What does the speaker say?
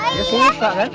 iya suka kan